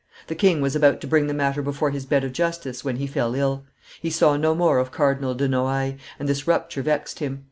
The king was about to bring the matter before his bed of justice, when he fell ill. He saw no more of Cardinal de Noailles, and this rupture vexed him.